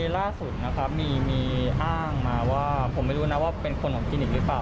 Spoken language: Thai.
ล่าสุดนะครับมีอ้างมาว่าผมไม่รู้นะว่าเป็นคนของคลินิกหรือเปล่า